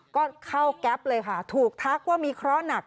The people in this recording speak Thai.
ก็เข้าแก๊ปเลยค่ะถูกทักว่ามีเคราะห์หนัก